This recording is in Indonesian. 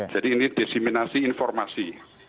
jadi ini disiminasi informasi